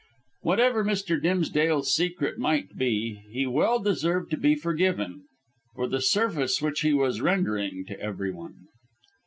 Whatever Mr. Dimsdale's secret might be, he well deserved to be forgiven for the service which he was rendering to everyone.